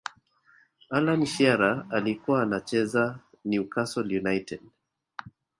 allan shearer alikuwa anacheza new castle united